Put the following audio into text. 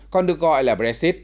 còn được gọi là brexit